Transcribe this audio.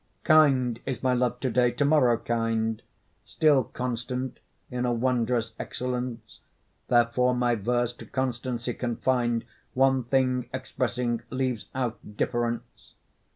Kind is my love to day, to morrow kind, Still constant in a wondrous excellence; Therefore my verse to constancy confin'd, One thing expressing, leaves out difference.